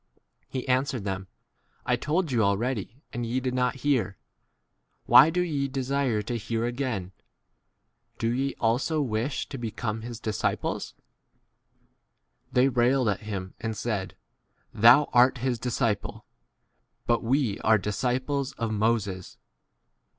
He answered them, I told you already and ye did not hear : why do ye desire to hear again ? do ye ' also wish to become his disciples ? 28 They k railed at him, and said, Thou * art his l disciple, but we are 29 disciples of Moses.